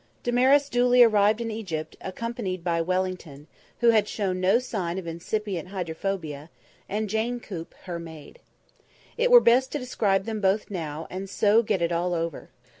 Damaris duly arrived in Egypt, accompanied by Wellington who had shown no sign of incipient hydrophobia and Jane Coop, her maid. It were best to describe them both now, and so get it all over.